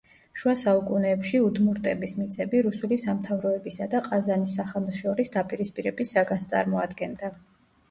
შუა საუკუნეებში უდმურტების მიწები რუსული სამთავროებისა და ყაზანის სახანოს შორის დაპირისპირების საგანს წარმოადგენდა.